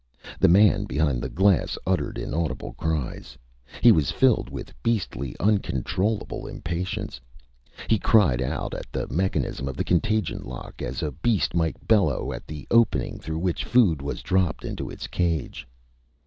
The man behind the glass uttered inaudible cries. He was filled with beastly, uncontrollable impatience. He cried out at the mechanism of the contagion lock as a beast might bellow at the opening through which food was dropped into its cage.